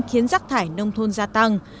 khiến rác thải nông thôn gia tăng